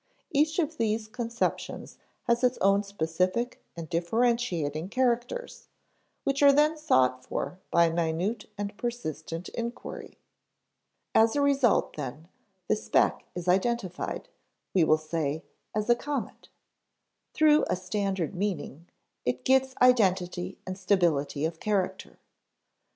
Each of these conceptions has its own specific and differentiating characters, which are then sought for by minute and persistent inquiry. As a result, then, the speck is identified, we will say, as a comet. Through a standard meaning, it gets identity and stability of character.